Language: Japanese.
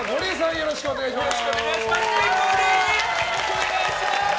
よろしくお願いします！